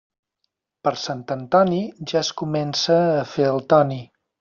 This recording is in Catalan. Per Sant Antoni ja es comença a fer el Toni.